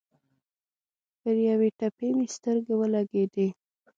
پر یوې تپې مې سترګې ولګېدې.